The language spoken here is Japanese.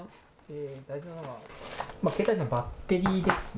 携帯のバッテリーですね。